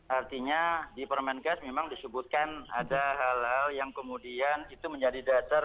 artinya di permenkes memang disebutkan ada hal hal yang kemudian itu menjadi dasar